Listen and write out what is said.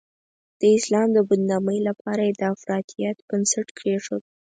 د اسلام د بدنامۍ لپاره یې د افراطیت بنسټ کېښود.